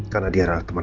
karena dia sama